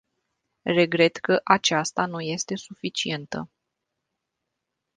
Regret că aceasta nu este suficientă.